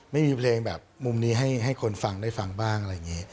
ไม่มีเพลงแบบมุมนี้ให้คนฟังได้ฟังบ้างอะไรอย่างนี้